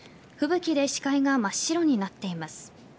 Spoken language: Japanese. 吹雪で視界が真っ白になっています。